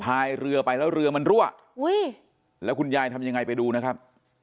พายเรือไปแล้วเรือมันรั่วอุ้ยแล้วคุณยายทำยังไงไปดูนะครับ